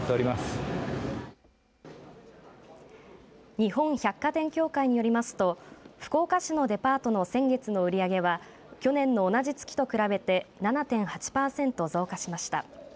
日本百貨店協会によりますと福岡市のデパートの先月の売り上げは去年の同じ月と比べて７．８パーセント増加しました。